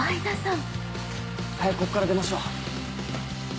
早くここから出ましょう。